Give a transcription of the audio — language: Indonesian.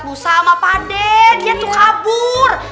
pak ustadz bussama pak den dia tuh kabur